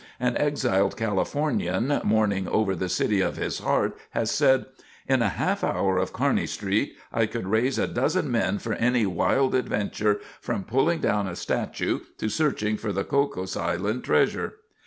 An exiled Californian, mourning over the city of his heart, has said: "In a half an hour of Kearney street I could raise a dozen men for any wild adventure, from pulling down a statue to searching for the Cocos Island treasure."